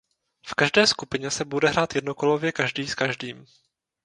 V každé skupině se bude hrát jednokolově každý s každým.